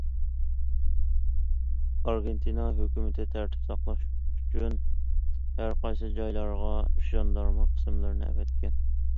ئارگېنتىنا ھۆكۈمىتى تەرتىپ ساقلاش ئۈچۈن ھەرقايسى جايلارغا ژاندارما قىسىملىرىنى ئەۋەتكەن.